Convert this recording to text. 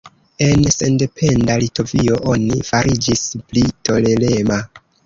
En sendependa Litovio oni fariĝis pli tolerema.